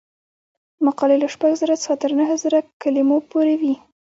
مقالې له شپږ زره څخه تر نهه زره کلمو پورې وي.